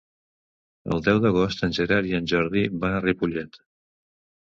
El deu d'agost en Gerard i en Jordi van a Ripollet.